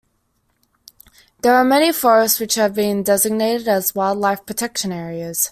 There are many forests which have been designated as wildlife protection areas.